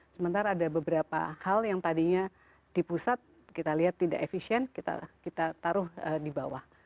sementara ada beberapa hal yang tadinya di pusat kita lihat tidak efisien kita taruh di bawah